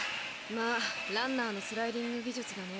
まあランナーのスライディング技術だね。